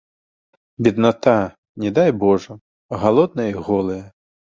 Бедната, не дай божа, галодныя і голыя.